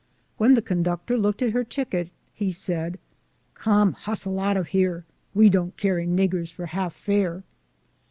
When the con ductor looked at her ticket, he said, " Come, hus tle out of here ! We don't carry niggers for half fare."